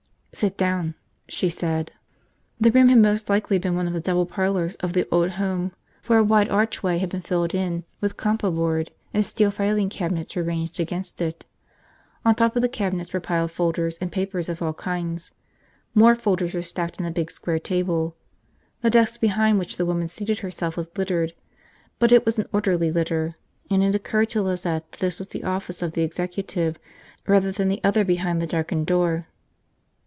"Sit down," she said. The room had most likely been one of the double parlors of the old home for a wide archway had been filled in with compo board, and steel filing cabinets were ranged against it. On top of the cabinets were piled folders and papers of all kinds. More folders were stacked on a big square table. The desk behind which the woman seated herself was littered; but it was an orderly litter, and it occurred to Lizette that this was the office of the executive rather than the other behind the darkened door.